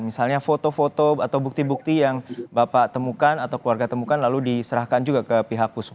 misalnya foto foto atau bukti bukti yang bapak temukan atau keluarga temukan lalu diserahkan juga ke pihak puskes